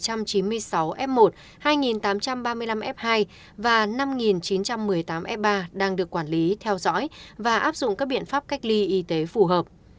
tổ chức xét nghiệm test nhanh kháng nguyên diện rộng cho khoảng chín trăm một mươi tám f ba đang được quản lý theo dõi và áp dụng các biện pháp cách ly y tế phù hợp